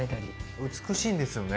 美しいんですよね